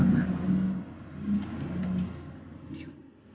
kita tunggu dia di rumah ya